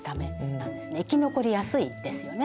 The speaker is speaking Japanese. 生き残りやすいですよね。